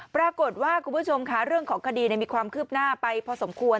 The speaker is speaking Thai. คุณผู้ชมค่ะเรื่องของคดีมีความคืบหน้าไปพอสมควร